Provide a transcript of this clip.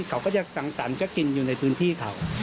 เขาก็จะสังสรรค์ก็กินอยู่ในพื้นที่เขา